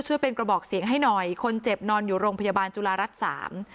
ช่วยเป็นกระบอกเสียงให้หน่อยคนเจ็บนอนอยู่โรงพยาบาลจุฬารัฐสาม